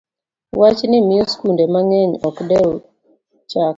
Wachni miyo skunde mang'eny ok dew chako